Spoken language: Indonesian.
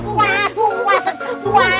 buah buah buah